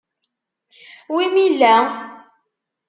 Wi m-illa?